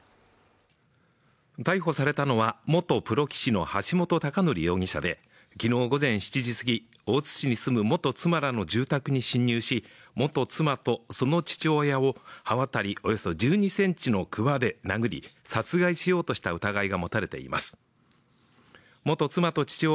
逮捕されたのは、元プロ棋士の橋本崇載容疑者で、昨日午前７時すぎ、大津市に住む元妻らの住宅に侵入し、元妻とその父親を刃渡りおよそ１２ｃｍのくわで殴り、殺害しようとした疑いが持たれています。